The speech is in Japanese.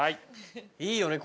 いいよね。